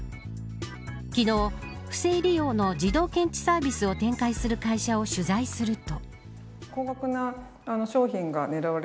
昨日、不正利用の自動検知サービスを展開する会社を取材すると。